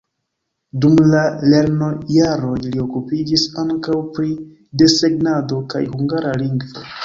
Dum la lernojaroj li okupiĝis ankaŭ pri desegnado kaj hungara lingvo.